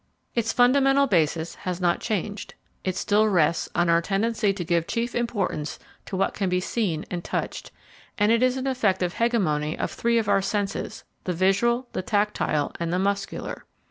Its fundamental basis has not changed. It still rests on our tendency to give chief importance to what can be seen and touched; and it is an effect of the hegemony of three of our senses, the visual, the tactile, and the muscular.